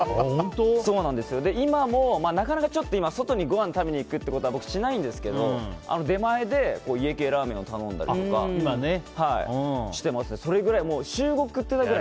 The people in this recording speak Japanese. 今もなかなかちょっと外にごはん食べに行くことは僕しないんですけど、出前で家系ラーメンを頼んだりしてます。